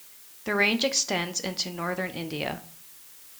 The range extends into northern India.